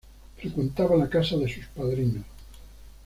Frecuentaba la casa de sus padrinos.